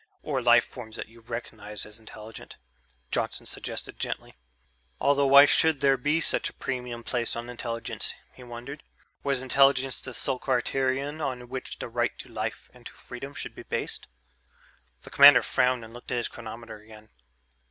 "Or life forms that you recognized as intelligent," Johnson suggested gently. Although why should there be such a premium placed on intelligence, he wondered. Was intelligence the sole criterion on which the right to life and to freedom should be based? The commander frowned and looked at his chronometer again.